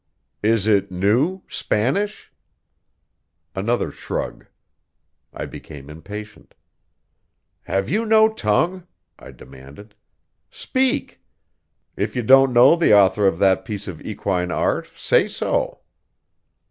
"Is it new Spanish?" Another shrug. I became impatient. "Have you no tongue?" I demanded. "Speak! If you don't know the author of that piece of equine art say so."